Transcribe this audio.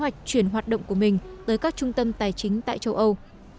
chuyển hoạt động của mình tới các trung tâm tài chính tại châu eu